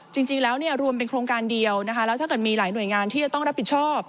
จริงแล้วเนี่ยรวมเป็นโครงการเดียวนะคะแล้วถ้าเกิดมีหลายหน่วยงานที่จะต้องรับผิดชอบ